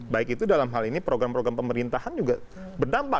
baik itu dalam hal ini program program pemerintahan juga berdampak